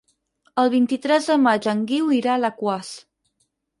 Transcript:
El vint-i-tres de maig en Guiu irà a Alaquàs.